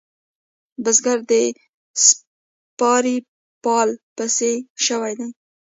بزگر د سپارې پال پس شوی دی.